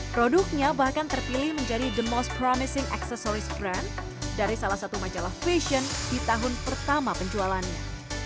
produknya bahkan terpilih menjadi the most promising accessories grand dari salah satu majalah fashion di tahun pertama penjualannya